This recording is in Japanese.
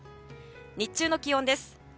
日中の気温です。